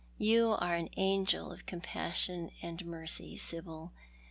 You are an angel of com passion and mercy, Sibyl.